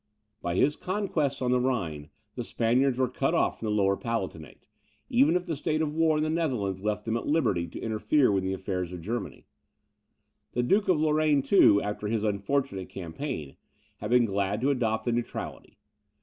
By his conquests on the Rhine, the Spaniards were cut off from the Lower Palatinate, even if the state of the war in the Netherlands left them at liberty to interfere in the affairs of Germany. The Duke of Lorraine, too, after his unfortunate campaign, had been glad to adopt a neutrality.